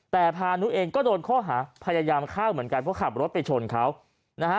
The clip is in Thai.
แต่พานุเองก็โดนข้อหาพยายามฆ่าเหมือนกันเพราะขับรถไปชนเขานะฮะ